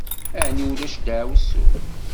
Ɛni ulac deɛwessu?